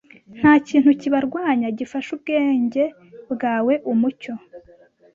Ntakintu kibarwanya gifasha ubwenge bwawe umucyo